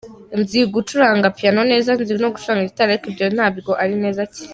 Nzi gucuranga piano neza, nzi no gucuranga gitari ariko byo ntabwo ari neza cyane.